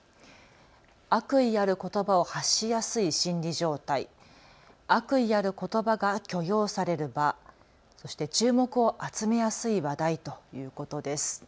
悪意あることばを発しやすい心理状態、悪意あることばが許容される場、そして注目を集めやすい話題ということです。